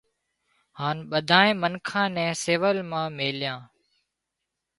هانَ ٻۮانئين منکان نين سول مان ميليان